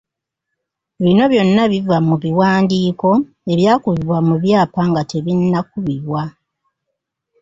Bino byonna biva mu biwandiiko ebyakubibwa mu byapa nga tebinnakubibwa.